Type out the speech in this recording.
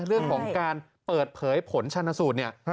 เรื่องของการเปิดเผยผลชนสูตรเนี่ย